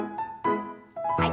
はい。